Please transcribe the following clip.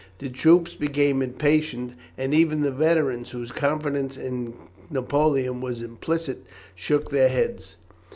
The troops became impatient, and even the veterans, whose confidence in Napoleon was implicit, shook their heads.